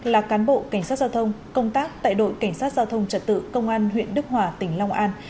là cán bộ cảnh sát giao thông công tác tại đội cảnh sát giao thông trật tự công an huyện đức hòa tỉnh long an